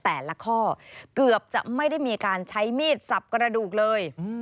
แต่ละข้อเกือบจะไม่ได้มีการใช้มีดสับกระดูกเลย